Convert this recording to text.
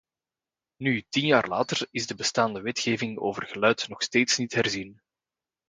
Nu, tien jaar later, is de bestaande wetgeving over geluid nog steeds niet herzien.